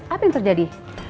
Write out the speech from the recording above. apa yang terjadi